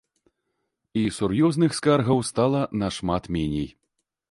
І сур'ёзных скаргаў стала нашмат меней.